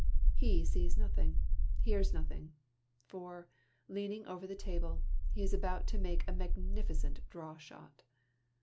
He sees nothing, hears nothing, for, leaning over the table, he is about to make a magnificent draw shot.